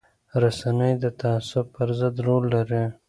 رسنۍ د تعصب پر ضد رول لري